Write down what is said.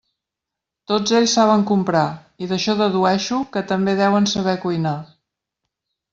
Tots ells saben comprar, i d'això dedueixo que també deuen saber cuinar.